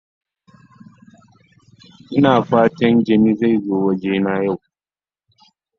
Ina fatan Jami zai zo wajena yau.